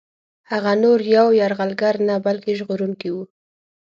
هغه نور یو یرغلګر نه بلکه ژغورونکی وو.